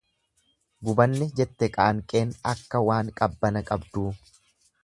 Gubanne jette qaanqeen akka waan qabbana qabduu.